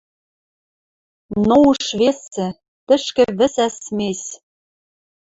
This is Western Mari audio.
Но уж весӹ... Тӹшкӹ вӹсӓ смесь.